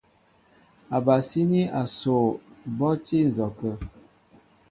Ábasíní asoo bɔ́ á tí á nzɔkə̂.